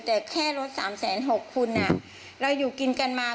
แต่แค่รถ๓๖๐๐คุณเราอยู่กินกันมา